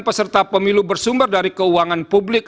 peserta pemilu bersumber dari keuangan publik